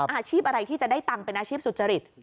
อาชีพอะไรที่จะได้ตังค์เป็นอาชีพสุจริต